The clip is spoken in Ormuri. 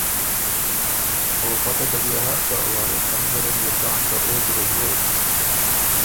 او پته دل يې هۀ که وارث خان زرم يېکان که او زِرئ دوک